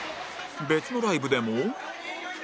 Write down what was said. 別のライブでも